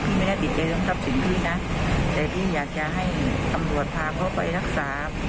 ไม่ได้ติดใจเรื่องทรัพย์สินพี่นะแต่พี่อยากจะให้ตำรวจพาเขาไปรักษา